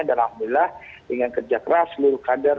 dan alhamdulillah dengan kerja keras seluruh kader